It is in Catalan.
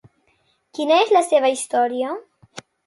Quina és la seva història?